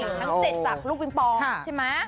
นั้น๗จากลูกบิ๊มปองใช่ไหม